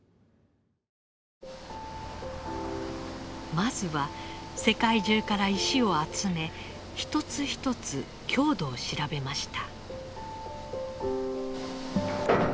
まずは世界中から石を集め一つ一つ強度を調べました。